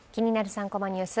３コマニュース」